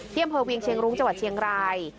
อำเภอเวียงเชียงรุ้งจังหวัดเชียงราย